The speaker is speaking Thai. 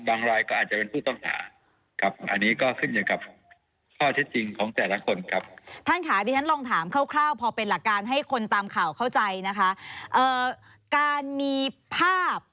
บางรายก็อาจจะเป็นผู้ต้องหา